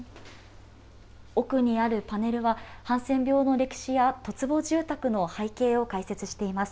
奥にあるパネルは、ハンセン病の歴史や十坪住宅の背景を解説しています。